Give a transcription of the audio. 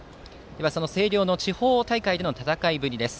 その星稜の地方大会での戦いぶりです。